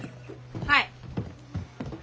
はい。